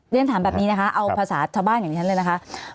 เรียนถามแบบนี้นะคะเอาภาษาชาวบ้านอย่างที่ฉันเลยนะคะ